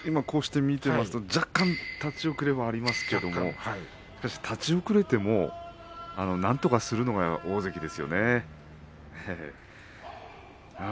こうして見てみると若干、立ち遅れはありますけれど立ち遅れてもなんとかするのが大関ですよね。